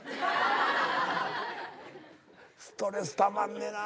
ストレスたまんねな。